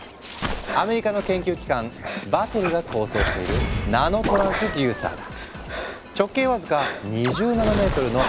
アメリカの研究機関Ｂａｔｔｅｌｌｅが構想しているナノトランスデューサーだ。